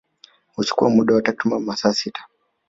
Huchukua muda wa takribani masaa sita